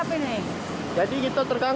ini arah pendidik sama pemerintah ini